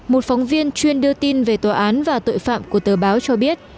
một phóng viên chuyên đưa tin về tòa án và tội phạm của tờ báo cho biết